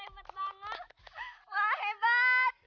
eee padahal hebat banget wah hebat